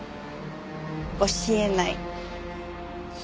教えない。